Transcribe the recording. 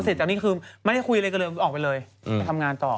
จากนี้คือไม่ได้คุยอะไรกันเลยออกไปเลยไปทำงานต่อ